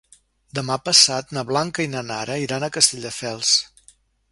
Demà passat na Blanca i na Nara iran a Castelldefels.